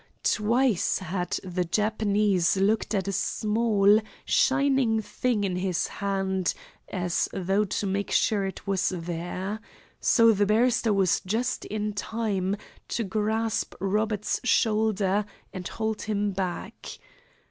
Twice had the Japanese looked at a small, shining thing in his hand, as though to make sure it was there. So the barrister was just in time to grasp Robert's shoulder and hold him back.